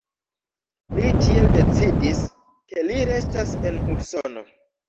Li tiel decidis, ke li restas en Usono.